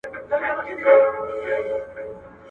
لوی مُلا یې وو حضور ته ور بللی.